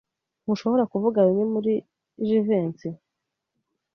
Ntushobora kuvuga bimwe muri Jivency?